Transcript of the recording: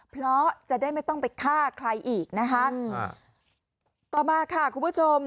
เพราะจะได้ไม่ต้องไปฆ่าใครอีกนะคะต่อมาค่ะคุณผู้ชม